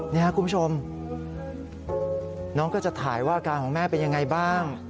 นี่ครับคุณผู้ชมน้องก็จะถ่ายว่าอาการของแม่เป็นยังไงบ้าง